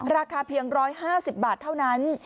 ราคาเพียง๑๕๐บาทเท่านั้น